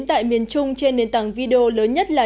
tại miền trung trên nền tảng video lớn nhất là